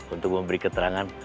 untuk memberi keterangan